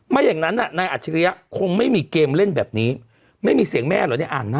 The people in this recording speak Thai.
ไม่อย่างนั้นน่ะในอัจฉริยะคงไม่มีเกมเล่นแบบนี้ไม่มีเสียงแม่หรอ